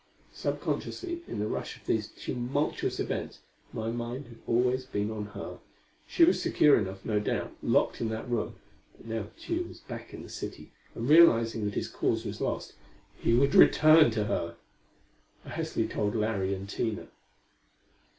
Subconsciously, in the rush of these tumultuous events, my mind had always been on her; she was secure enough, no doubt, locked in that room. But now Tugh was back in the city, and realizing that his cause was lost he would return to her! I hastily told Larry and Tina.